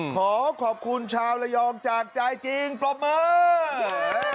ขอขอบคุณชาวระยองจากใจจริงปรบมือ